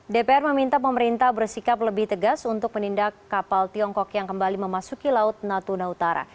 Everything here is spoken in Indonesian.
dpr meminta pemerintah bersikap lebih tegas untuk menindak kapal tiongkok yang kembali memasuki laut natuna utara